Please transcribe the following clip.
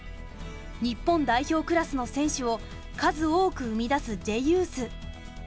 日本代表クラスの選手を数多く生み出すＪユース。